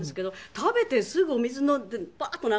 食べてすぐお水飲んでバーッと流してパッ。